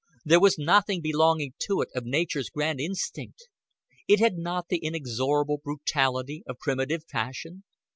There was nothing belonging to it of nature's grand instinct. It had not the inexorable brutality of primitive passion.